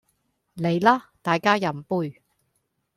嚟啦大家飲杯